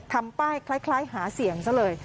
ทำป้ายคล้ายหาเสียงซะเลย